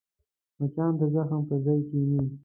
مچان د زخم پر ځای کښېني